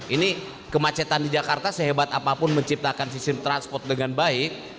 ini kemacetan di jakarta sehebat apapun menciptakan sistem transport dengan baik